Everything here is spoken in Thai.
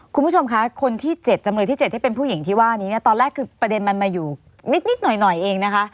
คุณผู้ชมคะคนที่๗จำเลยที่๗ที่เป็นผู้หญิงที่ว่านี้เนี่ยตอนแรกคือประเด็นมันมาอยู่นิดหน่อยเองนะคะ